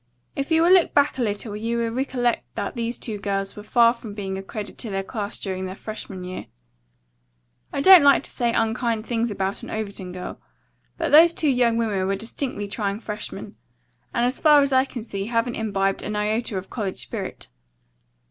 If you will look back a little you will recollect that these two girls were far from being a credit to their class during their freshman year. I don't like to say unkind things about an Overton girl, but those two young women were distinctly trying freshmen, and as far as I can see haven't imbibed an iota of college spirit.